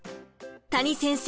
谷先生